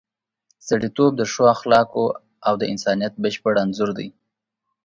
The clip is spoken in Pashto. سړیتوب د ښو اخلاقو او د انسانیت بشپړ انځور دی.